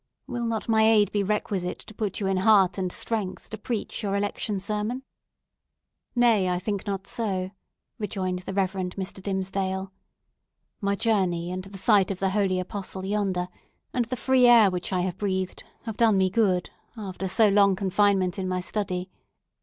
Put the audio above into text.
Will not my aid be requisite to put you in heart and strength to preach your Election Sermon?" "Nay, I think not so," rejoined the Reverend Mr. Dimmesdale. "My journey, and the sight of the holy Apostle yonder, and the free air which I have breathed have done me good, after so long confinement in my study.